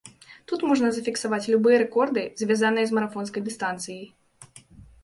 Тут можна зафіксаваць любыя рэкорды, звязаныя з марафонскай дыстанцыяй.